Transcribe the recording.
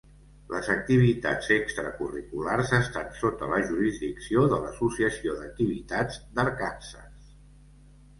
Les activitats extracurriculars estan sota la jurisdicció de l'Associació d'Activitats d'Arkansas.